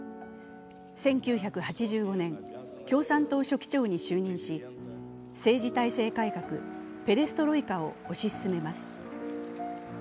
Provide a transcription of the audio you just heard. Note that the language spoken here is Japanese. １９８５年、共産党書記長に就任し政治体制改革、ペレストロイカを推し進めます。